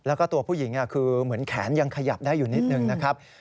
แล้วก็ตัวผู้หญิงคือเหมือนแขนยังขยับได้อยู่นิดนึงนะครับ